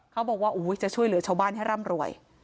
เขาบอกว่าจะช่วยเหลือชาวบ้านให้ร่ำรวย